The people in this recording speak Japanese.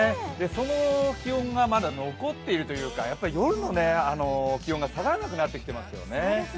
その気温がまだ残っているというか、夜の気温が下がらなくなってきていますよね。